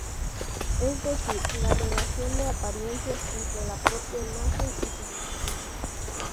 Es decir, la relación de apariencias entre la propia imagen y su referente.